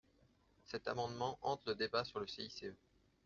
Cet amendement hante le débat sur le CICE.